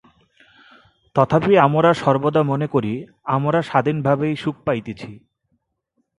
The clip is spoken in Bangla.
তথাপি আমরা সর্বদা মনে করি, আমরা স্বাধীনভাবেই সুখ পাইতেছি।